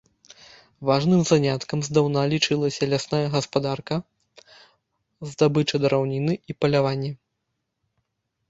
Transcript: Важным заняткам здаўна лічылася лясная гаспадарка, здабыча драўніны і паляванне.